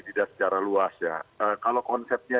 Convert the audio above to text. tidak secara luas ya kalau konsepnya